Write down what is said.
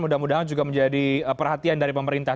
mudah mudahan juga menjadi perhatian dari pemerintah